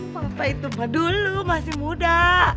papa itu dulu masih muda